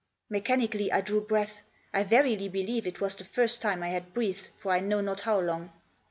Mechanically I drew breath ; I verily believe it was the first time I had breathed for I know not how long.